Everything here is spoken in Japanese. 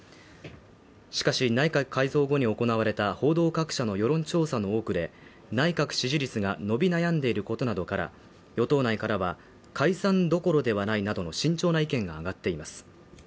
しかし内閣改造後に行われた報道各社の世論調査の多くで内閣支持率が伸び悩んでいることなどから与党内からは解散どころではないなどの慎重な意見が上がっています